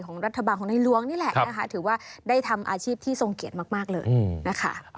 ของรัฐบาลของในหลวงนี่แหละนะคะถือว่าได้ทำอาชีพที่ทรงเกียรติมากเลยนะคะ